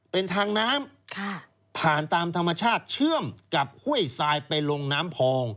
เป็นทางน้ำผ่านตามธรรมชาติเชื่อมกับห้วยทรายไปลงน้ำพอง